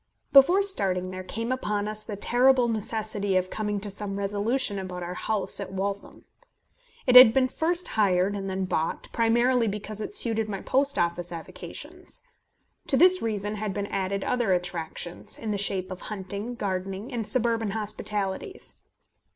Before starting there came upon us the terrible necessity of coming to some resolution about our house at Waltham. It had been first hired, and then bought, primarily because it suited my Post Office avocations. To this reason had been added other attractions, in the shape of hunting, gardening, and suburban hospitalities.